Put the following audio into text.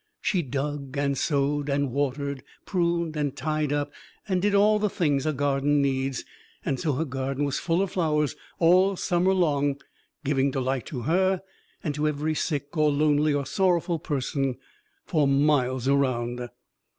She dug, and sowed, and watered, pruned and tied up and did all the things a garden needs; and so her garden was full of flowers all summer long, giving delight to her and to every sick or lonely or sorrowful person for miles around.